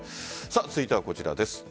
続いてはこちらです。